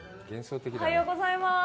おはようございます。